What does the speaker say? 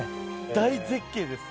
大絶景です。